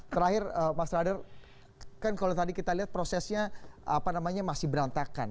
terakhir mas radar kan kalau tadi kita lihat prosesnya masih berantakan